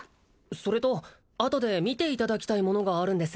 それとあとで見ていただきたいものがあるんです